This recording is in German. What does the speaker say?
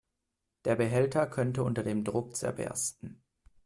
Der Behälter könnte unter dem Druck zerbersten.